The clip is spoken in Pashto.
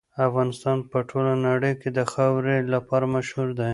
افغانستان په ټوله نړۍ کې د خاورې لپاره مشهور دی.